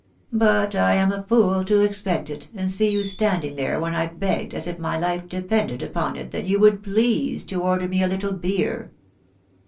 „ hot I am THB WTDOW BABNASV. 857 11 fool to expect it, and see you standing there when I've begged, as if my life depended upon it, that you would please to order me a little beer."